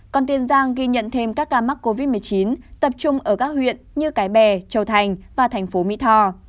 còn tiền giang ghi nhận thêm các ca mắc covid một mươi chín tập trung ở các huyện như cái bè châu thành và thành phố mỹ thò